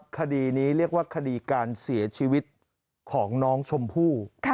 คดีนี้เรียกว่าคดีการเสียชีวิตของน้องชมพู่